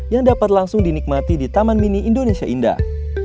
yang dapat langsung dinikmati di taman mini indonesia indah